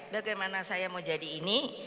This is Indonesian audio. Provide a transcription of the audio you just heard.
bagaimana saya mau jadi ini